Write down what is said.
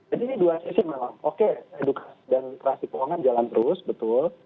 jadi ini dua sisi memang oke edukasi dan literasi keuangan jalan terus betul